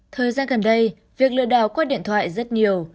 thời gian gần đây việc lừa đảo qua điện thoại rất nhiều